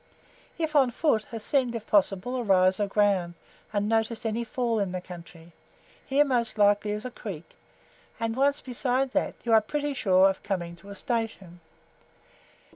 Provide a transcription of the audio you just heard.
If on foot, ascend, if possible, a rise of ground, and notice any FALL in the country; here, most likely, is a creek, and once beside that, you are pretty sure of coming to a station.